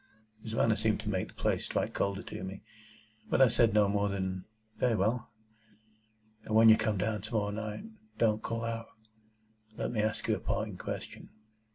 His manner seemed to make the place strike colder to me, but I said no more than, "Very well." "And when you come down to morrow night, don't call out! Let me ask you a parting question.